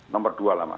nomor dua lah mas